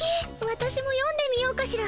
わたしもよんでみようかしら。